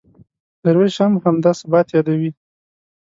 درویش هم همدا ثبات یادوي.